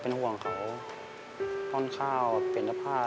นายเล่าให้พี่เอฟัง